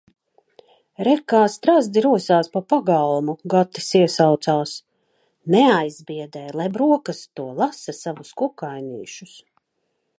"Re, kā strazdi rosās pa pagalmu!" Gatis iesaucās. Neaizbiedē, lai brokasto, lasa savus kukainīšus.